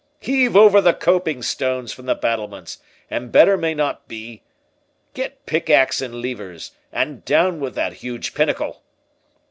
—Heave over the coping stones from the battlements, an better may not be—Get pick axe and levers, and down with that huge pinnacle!"